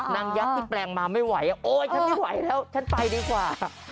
ยักษ์ที่แปลงมาไม่ไหวโอ๊ยฉันไม่ไหวแล้วฉันไปดีกว่า